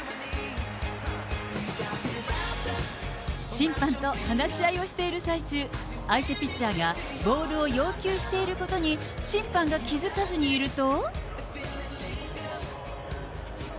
審判と話し合いをしている最中、相手ピッチャーがボールを要求していることに、審判が気付かずにいると。